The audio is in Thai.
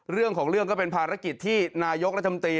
เรื่องของเรื่องก็เป็นภารกิจที่นายกรัฐมนตรี